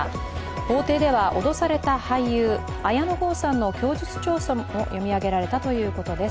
法廷では脅された俳優、綾野剛さんの供述調書も読み上げられたということです。